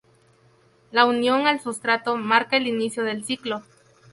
La unión al sustrato marca el inicio del ciclo.